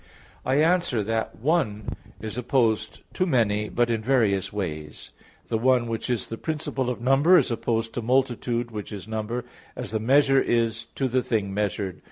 I answer that, "One" is opposed to "many," but in various ways. The one which is the principle of number is opposed to multitude which is number, as the measure is to the thing measured.